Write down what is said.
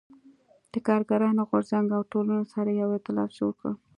د کارګرانو غو رځنګ او ټولنو سره یو اېتلاف جوړ کړ.